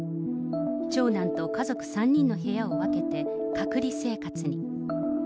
長男と家族３人の部屋を分けて隔離生活に。